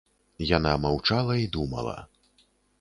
Яна маўчала і думала.